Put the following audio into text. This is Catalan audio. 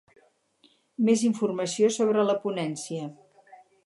Més informació sobre la ponència.